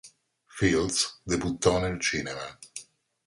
Fields debuttò nel cinema.